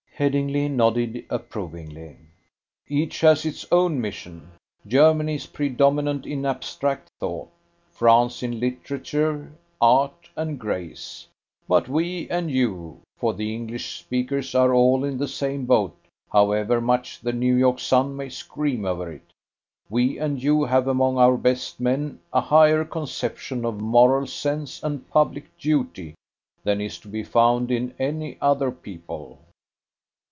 Headingly nodded approvingly. "Each has its own mission. Germany is predominant in abstract thought; France in literature, art, and grace. But we and you for the English speakers are all in the same boat, however much the New York Sun may scream over it we and you have among our best men a higher conception of moral sense and public duty than is to be found in any other people.